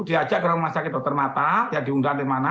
diajak ke rumah sakit dr mata ya diundang di mana